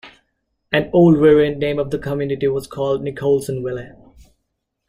An old variant name of the community was called Nicholsonville.